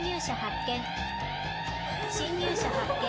侵入者発見。